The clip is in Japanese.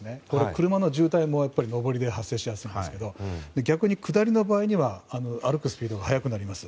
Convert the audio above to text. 車の渋滞も上りで発生しやすいんですけど逆に、下りの場合には歩くスピードが速くなります。